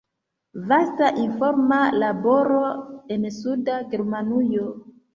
Vasta informa laboro en Suda Germanujo.